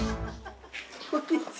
こんにちは。